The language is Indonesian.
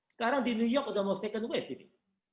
sekarang di new york udah mau second wave ini